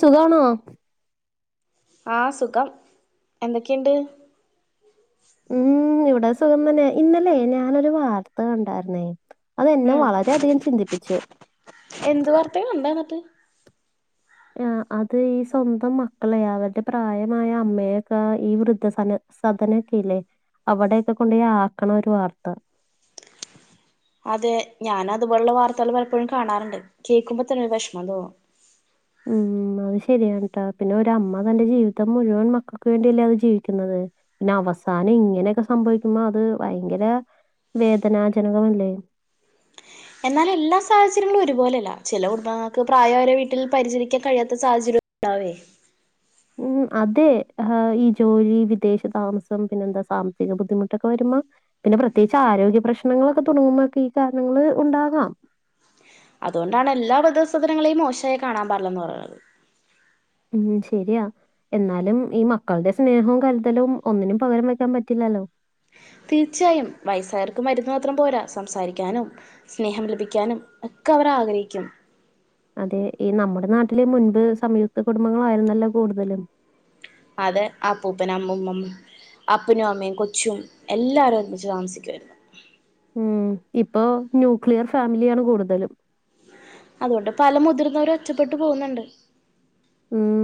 സുഖാണോ? ആ സുഖം എന്തക്കെയുണ്ട്? ഉം ഇവിടെ സുഖം തന്നെ ഇന്നലേ ഞാനൊരു വാർത്ത കണ്ടാരുന്നേ. അത് എന്നെ ഉം വളരെധികം ചിന്തിപ്പിച്ചു. എന്ത് വാർത്തെ കണ്ടേ അന്നിട്ട്? ആ അത് ഈ സ്വന്തം മക്കളേ അവരുടെ പ്രായമായ അമ്മയെക്കെ ഈ വൃദ്ധസനം സദനൊക്കെല്ലേ അവടെയൊക്കെ കൊണ്ടെ ആക്കണ ഒരു വാർത്ത. അതെ ഞാൻ അതുപോലുള്ള വാർത്തകള് പലപ്പോഴും കാണാറ്ണ്ട് കേക്കുമ്പോ തന്നെ ഒരു വെഷമം തോന്നും. ഉം അത് ശരിയാണ് ട്ടാ പിന്നൊരമ്മ തന്റെ ജീവിതം മുഴുവൻ മക്കക്ക് വേണ്ടിയല്ലേ അത് ജീവിക്കുന്നത് പിന്നവസ്ഥ അവസാനം ഇങ്ങനെക്കെ സംഭവിക്കുമ്പോ അത് വയങ്കര വേദനാജനകമല്ലേ? എന്നാല് എല്ലാ സാഹചര്യങ്ങളും ഒരുപോലല്ല ചെല കുടുംബഗങ്ങൾക്ക് പ്രായവരെ വീട്ടിൽ പരിചരിക്കാൻ കഴിയാത്ത സാഹചര്യം. ട്ടാവേ. [inaudible] ഉം അതെ് ഹാ ഈ ജോലി വിദേശ താമസം പിന്നെന്താ സാമ്പത്തിക ബുദ്ധിമുട്ടൊക്കെ വരുമ്പ പിന്നെ പ്രത്യേകിച്ച് ആരോഗ്യ പ്രശ്നങ്ങളൊക്കെ തുടങ്ങുമ്പക്കെ ഈ കാരണങ്ങള് ഉണ്ടാകാം. അതുകൊണ്ടാണ് എല്ലാ വൃദ്ധസദനങ്ങളെയും മോശായി കാണാൻ പാടില്ലെന്ന് പറയണത്. ഉം ശെരിയാ. എന്നാലും ഈ മക്കളുടെ സ്നേഹവും കരുതലവും ഒന്നിനും പകരം വെക്കാൻ പറ്റില്ല ലലോ തീർച്ചായും വയസ്സായവർക്ക് മരുന്ന് മാത്രം പോരാ. സംസാരിക്കാനും സ്നേഹം ലഭിക്കാനും. ഒക്കെ അവർ ആഗ്രഹിക്കും. അതെ. ഈ നമ്മുടെ നാട്ടിലെ മുൻപ് സംയുക്ത കുടുംബങ്ങളായിരുന്നല്ലോ കൂടുതലും. അതേ അപ്പൂപ്പനമ്മൂമ്മമ്മ് അപ്പനും അമ്മയും കൊച്ചും എല്ലാരും ഒരുമിച്ച് താമസിക്കുവാരുന്നു. ഉം ഇപ്പൊ ന്യൂക്ലിയർ ഫാമിലിയാണ് കൂടുതലും. അതുകൊണ്ട് പല മുതിർന്നവരൊറ്റപ്പെട്ടു പോന്നൊണ്ട്. ഉം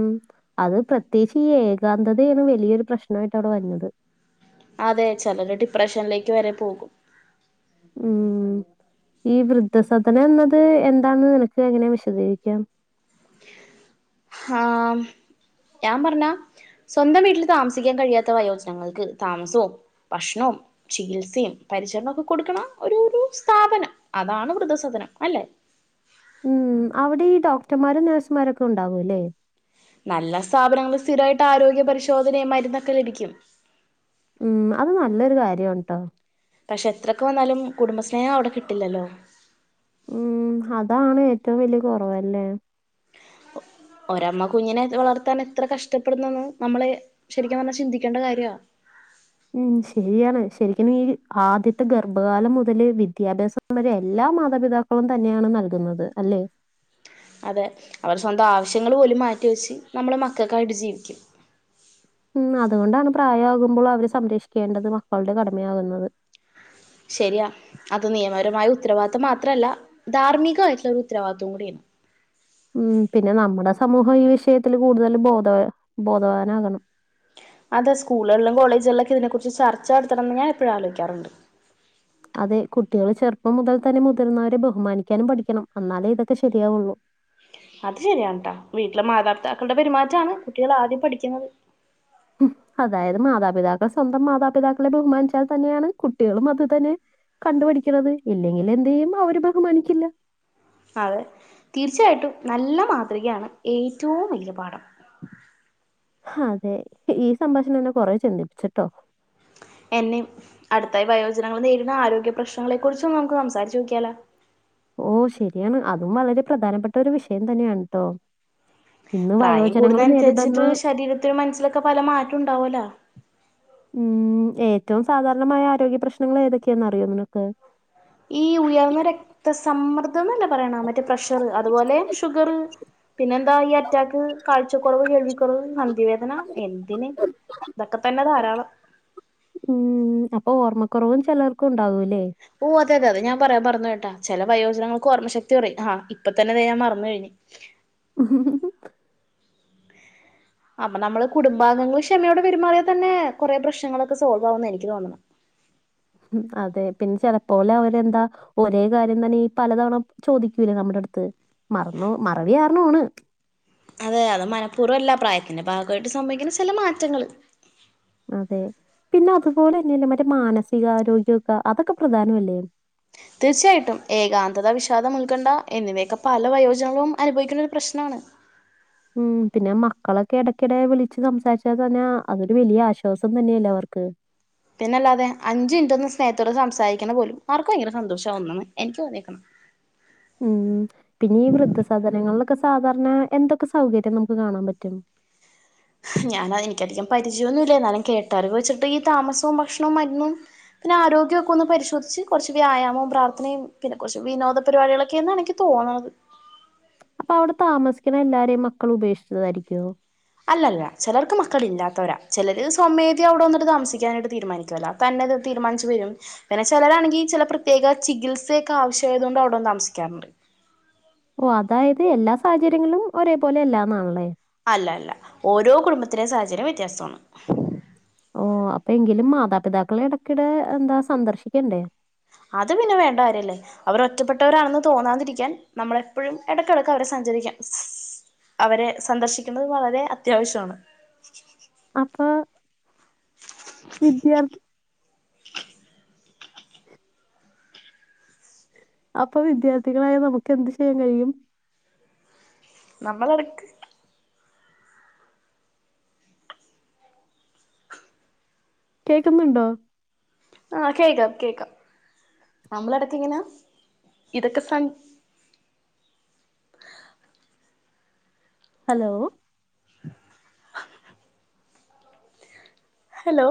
അത് പ്രത്യേകിച്ച് ഈ ഏകാന്തതയാണ് വെലിയൊരു പ്രശ്നമായ്ട്ട് അവെടെ വെരുന്നത്. അതെ ചെലര് ഡിപ്രഷനിലേക്ക് വരെ പോകും. ഉം ഈ വൃദ്ധസദനം എന്നത് എന്താന്നിനക്ക് എങ്ങനെ വിശദീകരിക്കാം? [inaudible] ആഹ് ഞാൻ പറഞ്ഞ സ്വന്തം വീട്ടിൽ താമസിക്കാൻ കഴിയാത്ത വയോജനങ്ങൾക്ക് താമസവും ഭക്ഷണവും ചികിത്സയും പരി ണക്കെ കൊടുക്കണ ഒരു ഒരു സ്ഥാപനം അതാണ് വൃദ്ധസദനം അല്ലെ. ഉം അവടെ ഈ ഡോക്ടമാരും നേഴ്സുമാരൊക്കെ ഉണ്ടാവും അല്ലേ? നല്ല സ്ഥാപനങ്ങള് സ്ഥിരായിട്ട് ആരോഗ്യ പരിശോധനയും മരുന്നൊക്കെ ലഭിക്കും. ഉം അത് നല്ലൊരു കാര്യാവാണട്ടോ. പക്ഷെ എത്രക്കെ വന്നാലും കുടുംബസ്നേഹം അവെടെ കിട്ടില്ലല്ലോ. ഉം അതാണ് ഏറ്റവും വല്യ കൊറവല്ലേ. ഒരമ്മ കുഞ്ഞിനെ വളർത്താൻ എത്ര കഷ്ടപ്പെടുന്നന്ന് നമ്മള് ഷെരിക്കും പറഞ്ഞാൽ ചിന്തിക്കേണ്ട കാര്യവാ. [inaudible] ഉം ഷെരിയാണ് ഷെരിക്കിന് ഈ ആദ്യത്തെ ഗർഭകാലം മൊതല് വിദ്യാഭ്യാസം വെരെ എല്ലാം. ആ മാതാപിതാക്കളും തന്നെയാണ് നൽകുന്നത് അല്ലേ?. അതെ. അവർ സ്വന്തം ആവശ്യങ്ങള് പോലും മാറ്റിവെച്ച് നമ്മെടെ മക്കൾക്കു വേണ്ടി ജീവിക്കും. ഉം അതുകൊണ്ടാണ് പ്രായയാകുമ്പോൾ അവര് സംരക്ഷിക്കേണ്ടത് മക്കളുടെ കടമയാകുന്നത്. ശെരിയാ. അത് നിയമപരമായ ഉത്തരവാദിത്തം മാത്രല്ല. ധാർമ്മികായെട്ടൊള്ള ഒരു ഉത്തരവാദിത്തം കൂടിയാണ്. [inaudible] ഉം പിന്നെ നമ്മെടെ സമൂഹം ഈ വിഷയത്തില് കൂടുതല് ബോധ ബോധവാനാകണം. അതെ സ്കൂളുകളിലും കോളേജുകളിലൊക്കെ ഇതിനെക്കുറിച്ച് ചർച്ച നടത്തണന്ന് ഞാൻ എപ്പോഴും ആലോയിക്കാറൊണ്ട്. അതെ കുട്ടികള് ചെറുപ്പം മുതൽ തന്നെ മുതിർന്നവരെ ബഹുമാനിക്കാനും പഠിക്കണം അന്നാലേ ഇതൊക്കെ ശെരിയാവൊള്ളൂ. അത് ശെരിയാണേട്ടോ വീട്ടിലെ മാതാപിതാക്കളുടെ പെരുമാറ്റാണ് കുട്ടികൾ ആദ്യം പഠിക്കുന്നത്. അതായത് മാതാപിതാക്കൾ സ്വന്തം മാതാപിതാക്കളെ ബഹുമാനിച്ചാൽ തന്നെയാണ് കുട്ടികളും അത് തന്നെ. കണ്ടുപഠിക്കണത്. ഇല്ലെങ്കിൽ എന്ത് ചെയ്യും അവെര് ബഹുമാനിക്കില്ല. അതെ തീർച്ചയായിട്ടും നല്ല മാതൃകയാണ് ഏറ്റവും വല്യ പാഠം. അതെ ഈ സംഭാഷണം എന്നെ കൊറെ ചിന്തിപ്പിച്ചിട്ടോ. എന്നെയും. അടുത്തായി വയോജനങ്ങൾ നേരിടുന്ന ആരോഗ്യ പ്രശ്നങ്ങളെക്കുറിച്ചും നമ്മെക്ക് സംസാരിച്ചു നോക്കിയാലോ. ഓ ശെരിയാണ്. അതും വളരെ പ്രധാനപ്പെട്ട ഒര് വിഷയം തന്നെയാണുട്ടോ. പ്രായം കൂടുന്നതനുസരിച്ചിട്ട് ശരീരത്തിന് മനസ്സിലൊക്കെ പല മാറ്റൊണ്ടാവല്ലോ. ഉം ഏറ്റവും സാധാരണമായ ആരോഗ്യ പ്രശ്നങ്ങൾ ഏതൊക്കെയെന്ന് അറിയോ നിനക്ക്? തൊന്നല്ലേ പറയണ മറ്റേ പ്രഷറ് അതുപോലെ ഷുഗറ് പിന്നെന്താ ഈ അറ്റാക്ക് കാഴ് ച്ചക്കൊറവ്, കേൾവിക്കൊറവ്, സന്ധിവേദന എന്തിന് ഇതൊക്കെ തന്നെ ധാരാളം ഉം അപ്പൊ ഓർമ്മക്കൊറവും ചെലോർക്ക് ഉണ്ടാവൂ ഓ അതെ അതെ അതെ ഞാൻ പറയാ മർന്നോയ് ട്ടാ ചെല വയോജനങ്ങക്ക് ഓർമ്മശക്തി കൊറയും ആ ഇപ്പ തന്നെതെ ഞാൻ മറെന്ന് കഴിഞ്ഞ് അപ്പ നമ്മള് കുടുംബാംഗങ്ങള് ക്ഷമയോടെ പെരുമാറിയാ തന്നെ കൊറെ പ്രശ്നങ്ങളൊക്കെ സോൾവാവുന്ന എനിക്ക് തോന്നണേ ഉ അതെ പിന്നെ ചെലപ്പോല് അവരെന്താ ഒരേ കാര്യം തന്നെ പലതവണ ചോദിക്കൂല നമ്മുടെ ട് ത്ത് മറന്നു മറവി കാരണാണ് അതെ അത് മനഃപ്പൂർവല്ല പ്രായത്തിന്റെ ഭാഗായിട്ട് സംഭവിക്കുന്ന ചെല മാറ്റങ്ങള് അതെ പിന്നെ അതുപോലെ തന്നെല്ല മറ്റേ മാനസിക ആരോഗ്യ അതൊക്കെ പ്രധാനല്ലേ തീർച്ചയായിട്ടും ഏകാന്തതാ വിഷാദം ഉൾക്കണ്ണ്ട എന്നിവയൊക്കെ പല വയോജനങ്ങളും അനുഭവിക്കുന്ന ഒരു പ്രശ്നാണ് ഉം പിന്നെ മക്കളൊക്കെ എടയ്ക്കെടെ വിളിച്ച് സംസാരിച്ചാ തന്ന അതൊരു വലിയ ആശ്വാസം തന്നെയല്ലേ അവർ ക്ക് പിന്നല്ലാതെ അഞ്ച് മിൻറ്റൊന്ന് സ്നേഹത്തോട് സംസാരിക്കണ പോലും അവർക്കും ഭയങ്കര സന്തോഷം ആവും ന്ന് എനിക്ക് തോന്യേക്കണെ ഉം പിന്നെ ഈ വൃദ്ധസധനങ്ങളിലൊക്കെ സാധാരണ എന്തൊക്കെ സൗകര്യം നമുക്ക് കാണാൻ പറ്റും ഞാൻ എനിക്കധികം പരിചയൊന്നുല്ല എന്നാലും കേട്ടറിവ് വെച്ചിട്ട് ഈ താമസവും ഭക്ഷണവും മരുന്നും പിന്നെ ആരോഗ്യൊക്കൊന്ന് പരിശോധിച്ച് കൊർച്ച് വ്യായാമം പ്രാർത്ഥനയും പിന്നെ കൊർച്ച് വിനോദ പരിപാടികളൊക്കേന്നാണ് എനിക്ക് തോന്ന പോണോന്ന് അപ്പൊ അവടെ താമസിക്കുന്ന എല്ലാരേും മക്കള് ഉപേക്ഷിച്ചതായിരിക്കോ അല്ലല്ല ചെലർക്ക് മക്കളില്ലാത്തവരാ ചെലര് സ്വമേധ അവടെ വന്നിട്ട് താമസിക്കാനായിട്ട് തീരുമാനിക്കുല്ലോ തന്ന തീരുമാനിച്ചു വരും. പിന്നെ ചെലരാണെങ്കി ചെല പ്രത്യേക ചികിത്സയൊക്കെ ആവശ്യായതുകൊണ്ട് അവിടെ വന്നു താമസിക്കാറുണ്ട്. ഓഹ് അതായത് എല്ലാ സാഹചര്യങ്ങളിലും ഒരേപോലെ അല്ലാന്നാണല്ലേ? അല്ല അല്ല ഓരോ കുടുംബത്തിലേം സാഹചര്യം വ്യത്യാസാണ്. ഓഹ് അപ്പയെങ്കിലും മാതാപിതാക്കളെ എടക്കിടെ എന്താ സന്ദർശിക്കണ്ടേ? അത് പിന്നെ വേണ്ട കാര്യല്ലേ. അവർ ഒറ്റപ്പെട്ടവരാണെന്ന് തോന്നാതിരിക്കാൻ നമ്മള് എപ്പോഴും എടക്കെടക്ക് അവരെ സ ഞ്ചരിക്കാൻ അവരെ സന്ദർശിക്കുന്നത് വളരെ അത്യാവശ്യാണ്. അപ്പൊ വിദ്യാർത്ഥി അപ്പൊ വിദ്യാർത്ഥികളായ നമുക്ക് എന്ത് ചെയ്യാൻ കഴിയും? നമ്മളെടക്ക് കേക്കുന്നുണ്ടോ? ആഹ് കേക്കാം കേക്കാം. നമ്മളെടക്ക് ഇങ്ങനെ ഇതൊക്കെ സം ഹലോ ഹലോ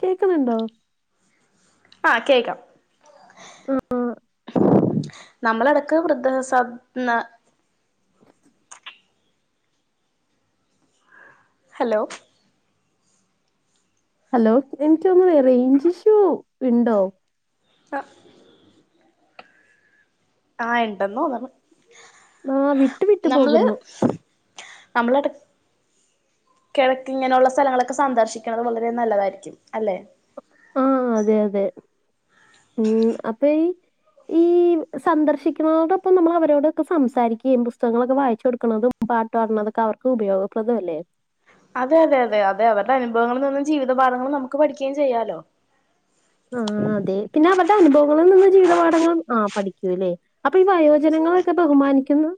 കേക്കണൊണ്ടോ? ആഹ് കേക്കാം. ആഹ് ആഹ് നമ്മളെടക്ക് വൃദ്ധസ ഹലോ ഹലോ എനിക്ക് തോന്നുന്നതേ റേഞ്ച്ഷൂ ഇണ്ടോ? ആഹ് ആഹ് ഇണ്ടെന്ന് തോന്നണ്. ആഹ് വിട്ട് വിട്ട് നമ്മള് പോകുന്നു. നമ്മളട ക്കെഴക്ക് ഇങ്ങനെയുള്ള സലങ്ങളൊക്കെ സന്ദർശിക്കണത് വളരെ നല്ലതായിരിക്കും അല്ലെ ആഹ് അതെ അതെ ഉം അപ്പ ഈ ഈ സന്ദർശിക്ക്ണതോടൊപ്പം നമ്മൾ അവരോടൊക്കെ സംസാരിക്കയും പുസ്തകങ്ങളൊക്കെ വായിച്ച് കൊടുക്കണതും പാട്ട് പാട്ണതൊക്കെ അവർക്ക് ഉപയോഗപ്രദം അല്ലേ അതെ അതെ അതെ അതെ അവരുടെ അനുഭവങ്ങള് നിന്നും ജീവിതപാഠങ്ങളും നമുക്ക് പഠിക്കയും ചെയ്യാലോ ആഹ് അതെ പിന്നെ അവര്ടെ അനുഭവങ്ങള്ൽ നിന്ന് ജീവിത പാഠങ്ങൾ ആഹ് പഠിക്കൂലേ അപ്പൊ ഈ വയോജനങ്ങളൊക്കെ ബഹുമാനിക്കുന്ന്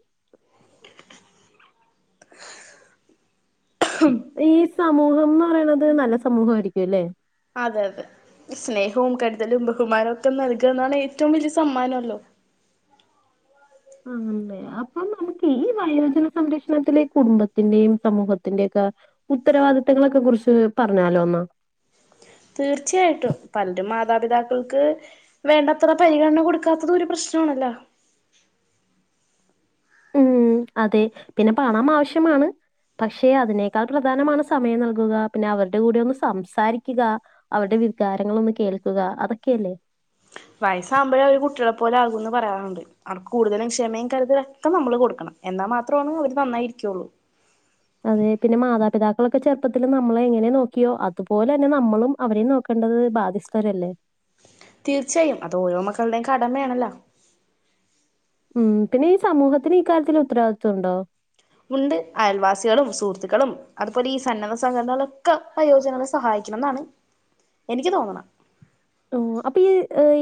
ഈ സമൂഹംന്ന് പറയ്ണത് നല്ല സമൂഹാരിക്കും അല്ലെ അതെ അതെ സ്നേഹവും കരുതലും ബഹുമാനവും ഒക്കെ നൽകാന്നാണ് ഏറ്റവും വലിയ സമ്മാനോല്ലോ. ആണല്ലേ അപ്പം നമുക്ക് ഈ വയോജന സംരക്ഷണത്തിലെ കുടുംബത്തിന്റെയും സമൂഹത്തിന്റെയെ ക്ക ഉത്തരവാദിത്തങ്ങളൊക്കെ കുറിച്ച് പറഞ്ഞാലോന്നാ. തീർച്ചയായിട്ടും. പലരും മാതാപിതാക്കൾക്ക് വേണ്ടത്ര പരിഗണന കൊടുക്കാത്തത് ഒരു പ്രശ് ച്ചോണല്ലാ. ഉം അതെ പിന്നെ പണം ആവശ്യമാണ്. പക്ഷെ അതിനേക്കാൾ പ്രധാനമാണ് സമയം നൽകുക പിന്നെ അവര്ടെ കൂടെ ഒന്ന് സംസാരിക്കുക അവരുടെ വികാരങ്ങളൊന്ന് കേൾക്കുക അതൊക്കെയല്ലേ? വയസ്സാവുമ്പഴേ അവര് കുട്ട്യേളെ പോലെ ആകുംന്ന് പറയാറ്ണ്ട് അവർക്ക് കൂടുതലും ക്ഷമയും കരുതലൊക്കെ നമ്മള് കൊടുക്കണം. എന്നാ മാത്രവാണ് അവര് നന്നായിരിക്കൊള്ളൂ. അതെ പിന്നെ മാതാപിതാക്കളൊക്കെ ചെറുപ്പത്തില് നമ്മളെ എങ്ങനെ നോക്കിയോ അതുപോലെന്നെ നമ്മളും അവരെ നോക്ക ണ്ടത് ബാധ്യസ്ഥരല്ലേ തീർച്ചയായും അതോരോ മക്കളുടെയും കടമയാണല്ലോ ഉം പിന്നെ ഈ സമൂഹത്തിനീക്കാര്യത്തിലുത്തരവാദിത്ത്വം ഉണ്ടോ ഉണ്ട് അയൽവാസികളും സുഹൃത്തുക്കളും അതുപോലെ ഈ സന്നദ്ധ സംഘടനകളൊക്കെ വയോജനങ്ങളെ സഹായി ക്കുമെന്നാണ് എനിക്ക് തോനണെ ഓ അപ്പൊ ഈ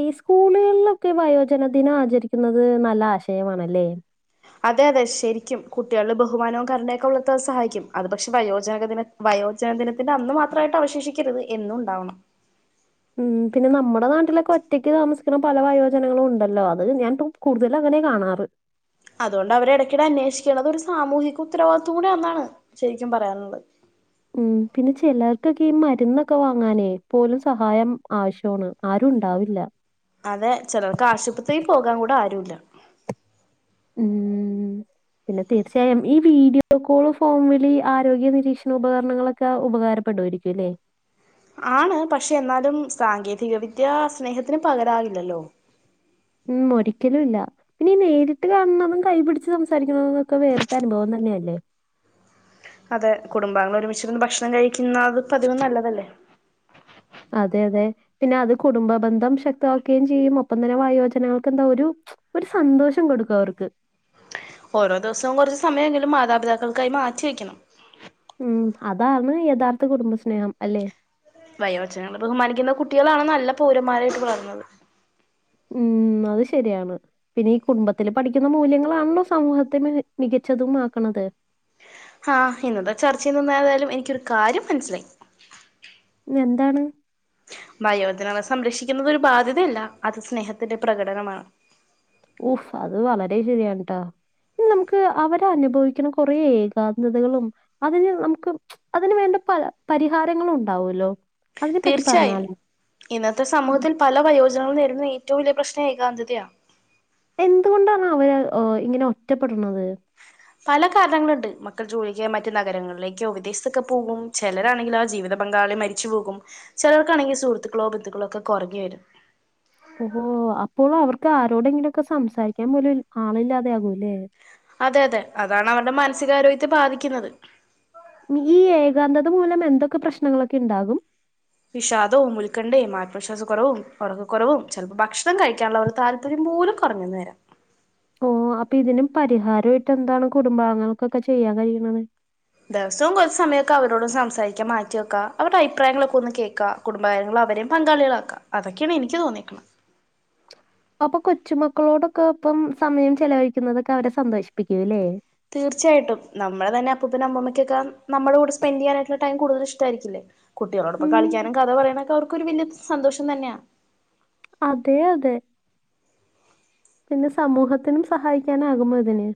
ഈ സ്കൂളുകളിലൊക്കെ വയോജന ദിനം ആചരിക്കുന്നത് നല്ല ആശയമാ ണല്ലേ അതെ അതെ ശരിക്കും കുട്ടികളില് ബഹുമാനവും കരുണയൊക്കെ വളർത്താൻ സഹായിക്കും അത് പക്ഷെ വയോജകദിന വായോ വയോജക ദിനത്തിന്റെ അന്ന് മാത്രമായിട്ടവശേഷിക്കരുത് എന്നും ഉണ്ടാവണം ഉം പിന്നെ നമ്മുടെ നാട്ടിലൊക്കെ ഒറ്റക്ക് താമസിക്കണ പല വയോജനങ്ങളും ഉണ്ടല്ലോ അത് ഞാൻ ഇപ്പം കൂടുതല ങ്ങനെയാ കാണാറ് അതുകൊണ്ട് അവരെ ഇടയ്ക്കിടെ അന്വേഷിക്കണത് ഒരു സാമൂഹിക ഉത്തരവാദിത്വം കൂടെ ആന്നാണ് ശരിക്കും പറയാനുള്ളത് ഉം പിന്നെ ചിലർക്കൊക്കെ ഈ മരുന്നൊക്കെ വാങ്ങാനെ പോലും സഹായം ആവശ്യമാണ് ആരും ഉണ്ടാവില്ല അതെ ചിലർക്കാശുപത്രിയിൽ പോകാൻ കൂടെ ആരുല്ല ഉം പിന്നെ തീർച്ചയായും ഈ വീഡിയോ കോള് ഫോൺവിളി ആരോഗ്യ നിരീക്ഷണ ഉപകരണങ്ങളൊക്കെ ഉപ ഉപകാരപ്പെടുവാരിക്കും അല്ലേ ആണ് പക്ഷെ എന്നാലും സാങ്കേതികവിദ്യ സ്നേഹത്തിന് പകരാകില്ലല്ലോ ഉം ഒരിക്കലും ഇല്ല പിന്നെ ഈ നേരിട്ട് കാണുന്നതും കൈ പിടിച്ച് സംസാരിണതുവൊക്കെ വേറിട്ടനുഭവം ത ന്നെയല്ലേ അതെ കുടുംബാംഗങ്ങൾ ഒരുമിച്ചിരുന്ന് ഭക്ഷണം കഴിക്കുന്ന പതിവും നല്ലതല്ലേ അതെ അതെ പിന്നെ അത് കുടുംബ ബന്ധം ശക്തവാക്കുകയും ചെയ്യും ഒപ്പം തന്നെ വായോജനകൾക്ക് എന്താ ഒരു ഒരു സന്തോഷം കൊടുക്കും അവർക്ക് ഓരോ ദിവസവും കുറച്ച് സമയം എങ്കിലും മാതാപിതാക്കൾക്കായി മാറ്റി വെക്കണം ഉം അതാണ് യഥാർത്ഥ കുടുംബം വയോജനങ്ങളെ ബഹുമാനിക്കുന്ന കുട്ടികളാണ് നല്ല പൗരന്മാരായിട്ട് വളരുന്നത് ഉം അത് ശരിയാണ് പിന്നെ ഈ കുടുംബത്തില് പഠിക്കുന്ന മൂല്യങ്ങളാണല്ലോ സമൂഹത്തിന് മിക മികച്ചതുമാക്കണത് ആ ഇന്നത്തെ ചർച്ചയിൽ നിന്നാതായാലും എനിക്കരു കാര്യം മനസ്സിലായി എന്താണ് വയോജനകളെ സംരക്ഷിക്കുന്നുന്നത് ഒരു ബാധ്യതയല്ല അത് സ്നേഹത്തിന്റെ പ്രകടനമാണ് ഊഫ് അത് വളരെ ശരിയാണ്ട്ടാ ഇ നമുക്ക് അവരെ അനുഭവിക്കുന്ന കുറെ ഏകാന്തതകളും അതിന് നമുക്ക് അതിന് വേണ്ട പല പരിഹാരങ്ങളും ഉണ്ടാവല്ലോ തീർച്ചയായും ഇന്നത്തെ ഉം. സമൂഹത്തിൽ പല വയോജനങ്ങളും നേരി ഏറ്റവും വലിയ പ്രശ്ന ഏകാന്ധതയ എന്തുകൊണ്ടാണ് അവര് ഇങ്ങനെ ഒറ്റപ്പെടുന്നത് പല കാരണങ്ങളുണ്ട് മക്കൾ ജോലിക്കാ മറ്റു നഗരങ്ങളിലേക്കോ വിദേശത്തൊക്കെ പോകും ചിലരാണെങ്കും ആ ജീവിതപങ്ക പങ്കാളി മരിച്ചു പോകും ചിലർക്കാണെങ്കിൽ സുഹൃത്തുക്കളോ ബന്ധുക്കളോ ഒക്കെ കൊറഞ്ഞു വരും ഇനി ആരോടെങ്കിലും ഒക്കെ സംസാരിക്കാൻ പോലും ആളില്ലാതെ ആകൂ അല്ലേ അതെ അതെ അതാണ് അവരുടെ മാനസികാരോഗ്യത്തെ ബാധിക്കുന്നത് ഈ ഏകാന്തത മൂലം എന്തൊക്കെ പ്രശ്നങ്ങളൊക്കെ ഉണ്ടാകും വിഷാദവും ഉൽക്കണ്ഠയും ആത്മവിശ്വാസ കുറവും ഉറക്ക കുറവും ചിലപ്പോ ഭക്ഷണം കഴിക്കാനുള്ള ഒരു താല്പര്യം പോലും കുറഞ്ഞെന്നു വരാം ഓ അപ്പൊ ഇതിനും പരിഹാരമായിട്ട് എന്താണ് കുടുംബാങ്ങൾക്കൊക്കെ ചെയ്യാൻ കഴിയുന്നത് ദിവസവും കുറ സമയൊക്കെ അവരോടും സംസാരിക്കാൻ മാറ്റിവെക്ക അവരുടെ അഭിപ്രായങ്ങളൊക്കെ ഒന്ന് കേൾക്കാം കുടുംബകാര്യങ്ങള അവരും പങ്കാളികളാക്കാ അതൊക്കെയാണ് എനിക്ക് തോന്നിക്കുന്നത് [inaudible] അപ്പൊ കൊച്ചു മക്കളോടൊക്കെ ഒപ്പം സമയം ചെലവഴിക്കുന്നതൊക്കെ അവരെ സന്തോഷിപ്പിക്കൂല്ലേ തീർച്ചയായിട്ടും നമ്മള തന്ന അപ്പനും അമ്മക്കൊക്കെ നമ്മുടെ കൂടെ സ്പെൻറ് ചെയ്യാനായിട്ടുള്ള ടൈം കൂടുതൽ ഇഷ്ടരിക്കില്ലേ ഉം കുട്ടികളോടൊപ്പം കളിക്കാനും കഥ പറയാനൊക്കെ അവർക്കൊരു വലിയ സന്തോഷം തന്നെയാണ് അതെ അതെ പിന്നെ സമൂഹത്തിനും സഹായിക്കാനാകുമോ ഇതിന്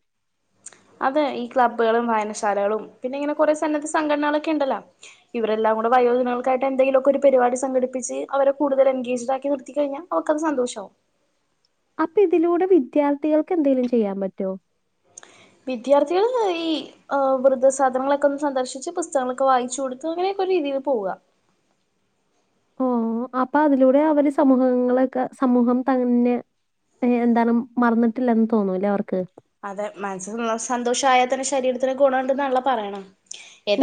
അതെ ഈ ക്ലബ്ബുകളും വായനശാലകളും പിന്നെ ഇങ്ങനെ കുറെ സന്നദ്ധ സംഘടനകളൊക്കെ ഉണ്ടല്ലോ ഇവരെല്ലാം നമ്മുടെ വയോജനങ്ങൾക്ക് ആയിട്ട് എന്തെലുമൊക്കെ ഒരു പരിപാടി സംഘടിപ്പിച്ച് അവരെ കൂടുതൽ എൻഗേജ് ആക്കി നിർത്തി കഴിഞ്ഞാ അവർക്കത്‌ സന്തോഷമാവും അപ്പ ഇതിലൂടെ വിദ്യാത്ഥികൾക്ക് എന്തേങ്കിലും ചെയ്യാൻ പറ്റോ വിദ്യാർത്ഥികൾ ഈ വൃദസദനങ്ങളൊക്കെ ഒന്ന് സന്ദർശിച്ച് പുസ്തകങ്ങളൊക്കെ വായിച്ച് കൊടുത്ത് അങ്ങനെയൊക്കെ ഒരു രീതിൽ പോവ [inaudible] ഓ അപ്പൊ അതിലൂടെ അവര് സമൂഹങ്ങളൊക്കെ സമൂഹം തന്നെ എന്താണ് മറന്നിട്ടില്ലെന്ന് തോന്നൂല്ലേ അവർക്ക് അതെ മനസ്സ് സന്തോഷയാൽ തന്നെ ശരീരത്തിന് ഗുണമുണ്ടെന്നാണല്ലോ പറയണേ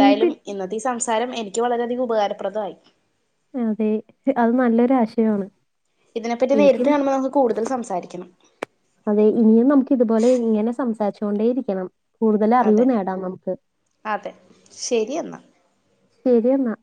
ഉം പി ഇന്നത്തെ ഈ സംസാരം എനിക്ക് വളരെയധികം ഉപകാരപ്രദമായി അതെ അത് നല്ലൊരു ആശയമാണ് ഇതിനെപ്പറ്റി നേരിട്ട് എനിക്കും കാണുമ്പോൾ നമുക്ക് കൂടുതൽ സംസാരിക്കണം അതെ ഇനിയും നമുക്ക് ഇതുപോലെ ഇങ്ങനെ സംസാരിച്ചു കൊണ്ടേ ഇരിക്കണം കൂടുതൽ അറിവ് അതെ നേടാം നമുക്ക് അതെ ശരി എന്നാൽ ശരി എന്നാ